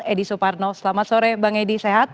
edi suparno selamat sore bang edi sehat